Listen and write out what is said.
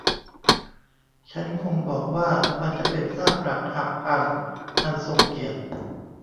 ฉันคงบอกว่ามันจะเป็นซากปรักหักพังอันทรงเกียรติ